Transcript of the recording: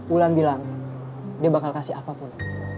wulan bilang dia bakal kasih apapun